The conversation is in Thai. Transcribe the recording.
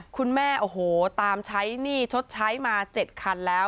คุณแม่โอ้โหตามใช้หนี้ชดใช้มา๗คันแล้ว